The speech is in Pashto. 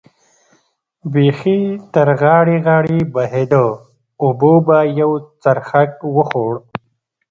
بېخي تر غاړې غاړې بهېده، اوبو به یو څرخک وخوړ.